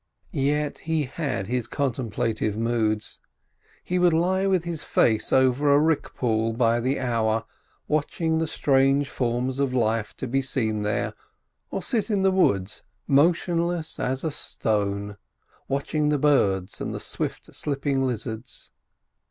Yet he had his contemplative moods. He would lie with his face over a rock pool by the hour, watching the strange forms of life to be seen there, or sit in the woods motionless as a stone, watching the birds and the swift slipping lizards.